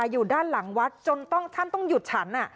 อยู่ด้านหลังวัดจนต้องท่านต้องหยุดฉัน